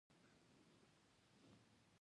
زه ښه روغ رمټ یم.